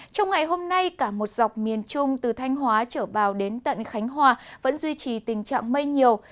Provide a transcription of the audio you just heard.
trong ngày hôm nay cả một dọc miền trung từ thanh hóa trở vào đến tận khánh hòa vẫn duy trì tình trạng mây nhiều